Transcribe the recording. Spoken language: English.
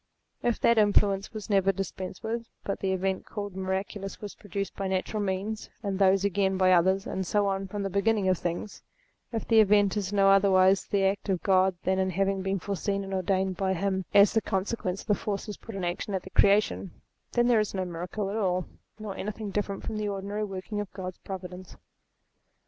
If that influence was never dispensed with, but the event called mira culous was produced by natural means, and those again by others, and so on from the beginning of things ; if the event is no otherwise the act of God than in having been foreseen and ordained by him as the 226 THEISM consequence of the forces put in action at the Creation ; then there is no miracle at all, nor anything different from the ordinary working of God's providence.